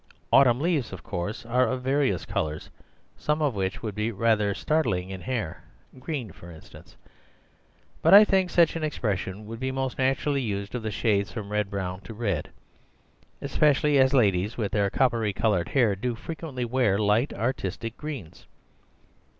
Autumn leaves, of course, are of various colours, some of which would be rather startling in hair (green, for instance); but I think such an expression would be most naturally used of the shades from red brown to red, especially as ladies with their coppery coloured hair do frequently wear light artistic greens.